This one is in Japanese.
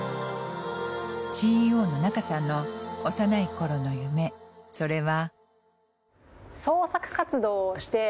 ＣＥＯの仲さんの幼いころの夢それは。